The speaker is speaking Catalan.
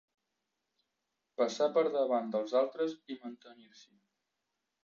Passar per davant dels altres i mantenir-s'hi.